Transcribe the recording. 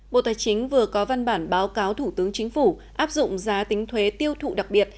bộ tài chính vừa có văn bản báo cáo thủ tướng chính phủ áp dụng giá tính thuế tiêu thụ đặc biệt